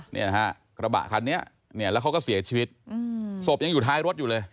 เนี่ยนะฮะกระบะคันนี้เนี่ยแล้วเขาก็เสียชีวิตศพยังอยู่ท้ายรถอยู่เลย